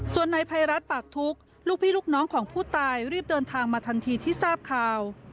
ส่วนในภัยรัฐปากทุกข์ลูกพี่ลูกน้องของผู้ตายรีบเดินทางมาทันทีที่ทราบข่าว